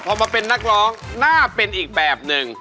พอมาเป็นนักร้องน่าเป็นอีกแบบหนึ่ง